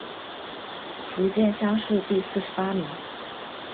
福建乡试第四十八名。